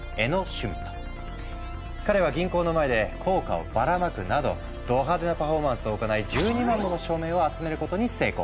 彼は銀行の前で硬貨をばらまくなどど派手なパフォーマンスを行い１２万もの署名を集めることに成功。